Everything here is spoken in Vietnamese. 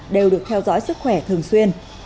đều được theo dõi sức khỏe thường xuyên